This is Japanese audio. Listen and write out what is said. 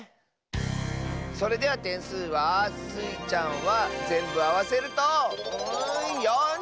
それではてんすうはスイちゃんはぜんぶあわせると４０てん！